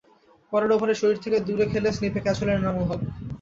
পরের ওভারে শরীর থেকে দূরে খেলে স্লিপে ক্যাচ হলেন এনামুল হক।